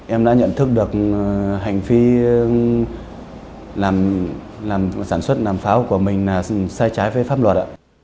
em đã nhận thức được hành vi làm sản xuất làm pháo của mình là sai trái với pháp luật